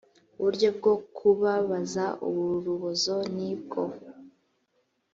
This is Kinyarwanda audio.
uburyo bwo kubabaza urubozo ni bwo